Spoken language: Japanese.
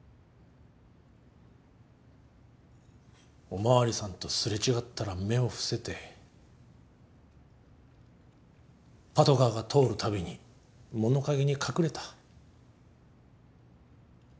お巡りさんと擦れ違ったら目を伏せてパトカーが通るたびに物陰に隠れた。